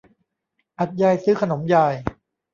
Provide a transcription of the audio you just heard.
อัฐยายซื้อขนมยาย